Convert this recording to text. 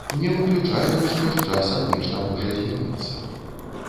Не выключаю, што з часам нешта можа змяніцца.